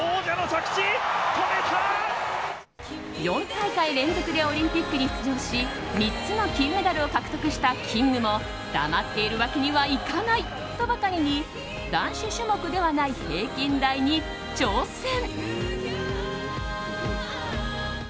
４大会連続でオリンピックに出場し３つの金メダルを獲得したキングも黙っているわけにはいかない！とばかりに男子種目ではない平均台に挑戦。